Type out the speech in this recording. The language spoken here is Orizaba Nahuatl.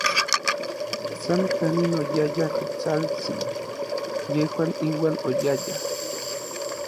San kanin oyaya Ketsaltsin, yejuan iuan oyayaj.